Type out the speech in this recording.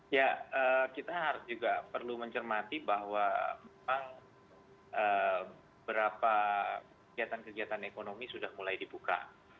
ya kita juga perlu mencermati bahwa memang beberapa kegiatan kegiatan ekonomi sudah mulai dibuka